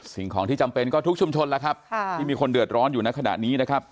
สิ่งของที่จำเป็นก็ทุกชุมชนแล้วครับที่มีคนเดือดร้อนอยู่ในขณะนี้นะครับ